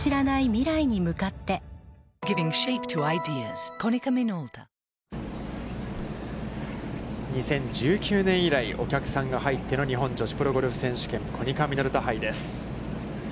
何とか食い止めて２０１９年以来、お客さんが入っての日本女子プロゴルフ選手権大会コニカミノルタ杯です。